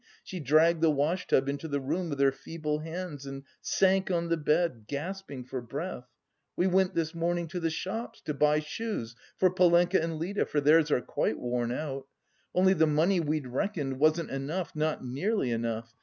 She dragged the wash tub into the room with her feeble hands and sank on the bed, gasping for breath. We went this morning to the shops to buy shoes for Polenka and Lida for theirs are quite worn out. Only the money we'd reckoned wasn't enough, not nearly enough.